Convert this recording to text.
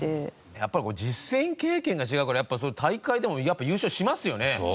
やっぱり実践経験が違うから大会でもやっぱ優勝しますよね。